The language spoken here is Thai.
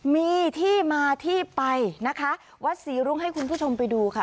มีที่มาที่ไปนะคะวัดศรีรุ้งให้คุณผู้ชมไปดูค่ะ